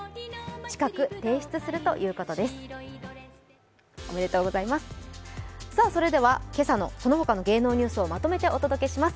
近く提出するということです。